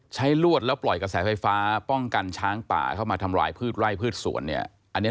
ลวดแล้วปล่อยกระแสไฟฟ้าป้องกันช้างป่าเข้ามาทำลายพืชไร่พืชสวนเนี่ย